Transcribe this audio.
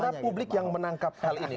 itu terserah publik yang menangkap hal ini